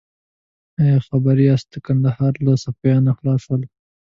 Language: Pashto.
ایا خبر یاست کندهار له صفویانو خلاصول شو؟